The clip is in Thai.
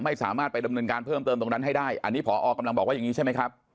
ไม่สามารถไปดำเนินการเพิ่มเติมตรงนั้นให้ได้อันนี้พอกำลังบอกว่าอย่างนี้ใช่ไหมครับ